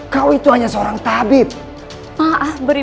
kau hanya seorang tabib